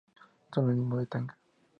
Sinónimo de "tanga".